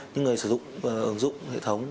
những người sử dụng ứng dụng hệ thống